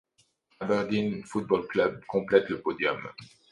Aberdeen Football Club complète le podium.